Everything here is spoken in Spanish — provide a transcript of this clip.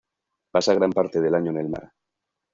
Pasa gran parte del año en el mar.